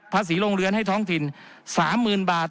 โรงเรือนให้ท้องถิ่น๓๐๐๐บาท